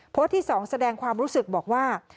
ที่๒แสดงความรู้สึกบอกว่า